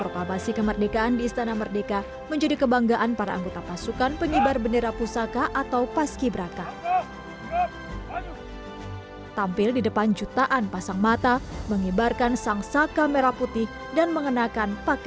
pakaian di istana merdeka